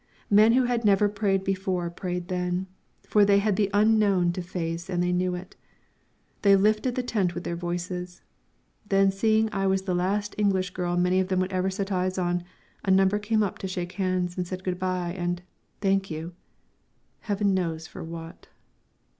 Men who had never prayed before prayed then, for they had the Unknown to face and they knew it. They lifted the tent with their voices. Then, seeing I was the last English girl many of them would ever set eyes on, a number came up to shake hands and say good bye and "Thank you." Heaven knows for what!